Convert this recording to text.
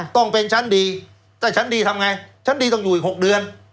ต้องเป็นชั้นดีถ้าชั้นดีทำไงชั้นดีต้องอยู่อีก๖เดือน